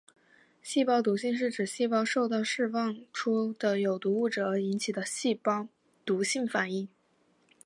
细胞毒性是指细胞受到释放出的有毒物质而引起的细胞毒性反应。